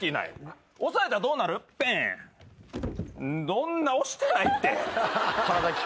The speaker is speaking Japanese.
どんな押してないって。